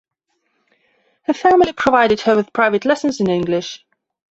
Her family provided her with private lessons in English.